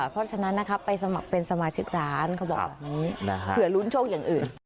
เพราะฉะนั้นไปสมัครเป็นสมาชิกร้านเขาบอกแบบนี้เผื่อลุ้นโชคอย่างอื่น